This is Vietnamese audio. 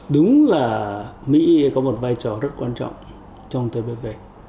đúng là mỹ có một vai trò rất quan trọng trong tb